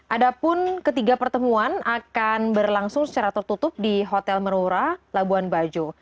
ada pun ketiga pertemuan akan berlangsung secara tertutup di hotel merura labuan bajo